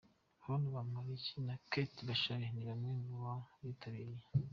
Hon Bamporiki na Kate Bashabe ni bamwe mu bitabiriye.